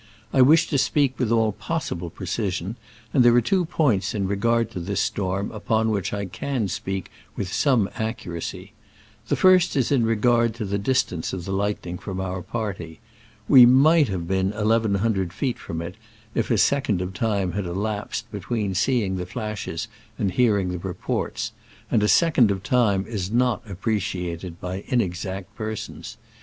I wish to speak with all possible precision, and there are two points in regard to this storm upon which I can speak with some accuracy. The first is in regard to the distance of the lightning from our party. We might have been eleven hundred feet from it if a second of time had elapsed between seeing the flashes and hearing the reports ; and a second * of time is not appreciated by inexact persons.